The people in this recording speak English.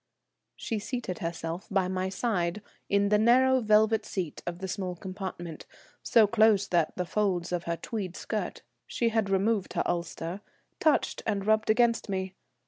She seated herself by my side in the narrow velvet seat of the small compartment, so close that the folds of her tweed skirt (she had removed her ulster) touched and rubbed against me.